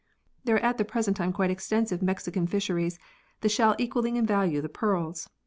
There are at the present time quite extensive Mexican fisheries, the shell equalling in value the pearls.